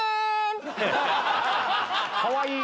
かわいい！